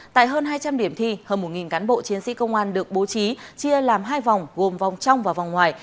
tại hơn hai trăm linh điểm thi hơn một cán bộ chiến sĩ công an được bố trí chia làm hai vòng gồm vòng trong và vòng ngoài